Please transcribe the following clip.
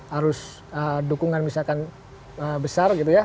harus dukungan misalkan besar gitu ya